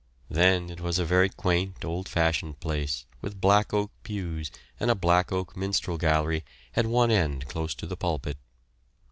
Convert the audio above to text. Then it was a very quaint, old fashioned place, with black oak pews and a black oak minstrel gallery at one end close to the pulpit.